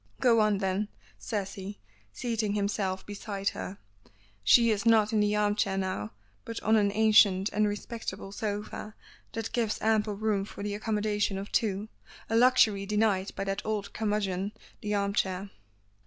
"Go on then," says he, seating himself beside her. She is not in the arm chair now, but on an ancient and respectable sofa that gives ample room for the accommodation of two; a luxury denied by that old curmudgeon the arm chair.